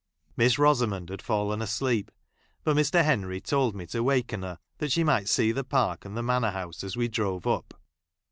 Miss Rosamond had fallen asleep, but JMr. Henry told me to waken her, that she might see the park and the Manor House as we drove up.